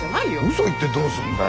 嘘言ってどうすんだよ。